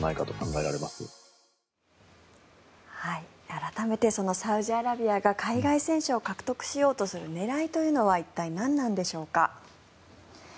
改めて、サウジアラビアが海外選手を獲得しようとする狙いというのは一体、何なんでしょうか。